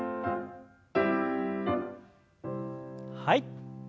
はい。